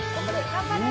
頑張れ。